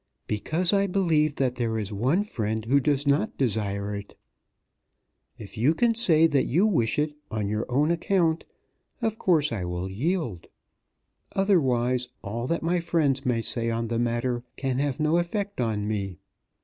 "Because I believe that there is one friend who does not desire it. If you can say that you wish it on your own account, of course I will yield. Otherwise all that my friends may say on the matter can have no effect on me.